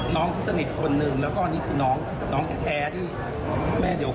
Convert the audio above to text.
น้องที่สนิทคนหนึ่งแล้วก็นี่คือน้องแท้ที่แม่เดียวกัน